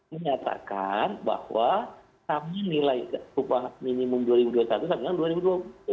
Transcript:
menyatakan bahwa sama nilai upah minimum dua ribu dua puluh satu sampai dengan dua ribu dua puluh